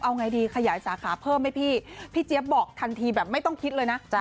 เอาไงดีขยายสาขาเพิ่มให้พี่พี่เจี๊ยบบอกทันทีแบบไม่ต้องคิดเลยนะ